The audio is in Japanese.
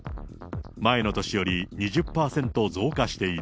前の年より２０％増加している。